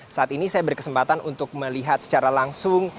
saat ini saya berkesempatan untuk melihat secara langsung